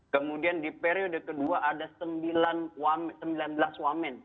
kemudian di periode kedua ada sembilan belas wamen